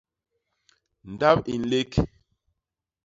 Ndap i nlék.